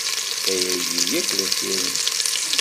Ayagi yakk d asirem.